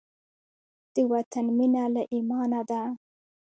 د وطن مینه له ایمانه ده.